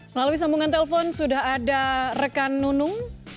melalui sambungan telpon sudah ada rekan nunung